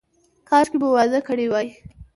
کاشکې مو واده کړی وای.